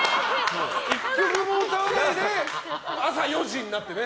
１曲も歌わないで朝４時になってね。